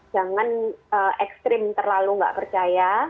jangan ekstrim terlalu nggak percaya